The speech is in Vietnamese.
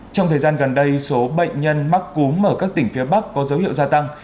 trong thời gian gần đây số bệnh nhân mắc cúm ở các tỉnh phía bắc có dấu hiệu gia tăng